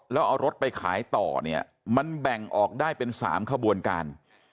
แล้วเอารถไปขายต่อเนี่ยมันแบ่งออกได้เป็น๓ขบวนการ